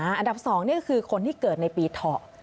อันดับสองนี่คือคนที่เกิดในปีถอ